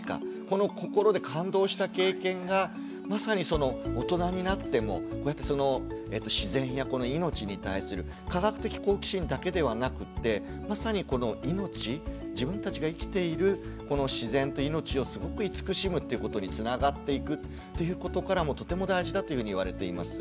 この心で感動した経験がまさに大人になっても自然やいのちに対する科学的好奇心だけではなくってまさにこのいのち自分たちが生きている自然といのちをすごく慈しむっていうことにつながっていくっていうことからもとても大事だというふうにいわれています。